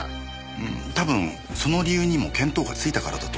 うーん多分その理由にも見当がついたからだと思いますよ。